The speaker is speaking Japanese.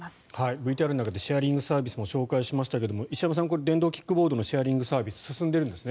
ＶＴＲの中でシェアリングサービスも紹介しましたが石山さん、電動キックボードのシェアリングサービスが進んでいるんですね。